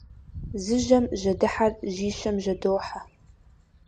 Зы жьэм жьэдыхьэр жьищэм жьэдохьэ.